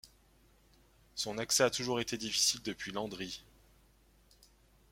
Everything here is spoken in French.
Son accès a toujours été difficile depuis Landry.